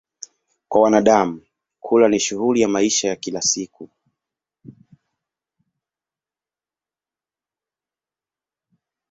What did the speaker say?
Kwa wanadamu, kula ni shughuli ya maisha ya kila siku.